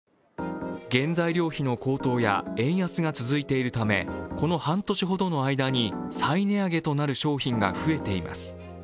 原材料費の高騰や円安が続いているためこの半年ほどの間に再値上げとなる商品が増えています。